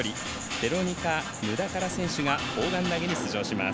ベロニカ・ヌダカラ選手が砲丸投げに出場します。